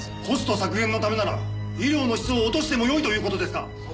コスト削減のためなら医療の質を落としてもよいということですか。